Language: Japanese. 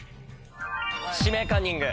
「指名カンニング」。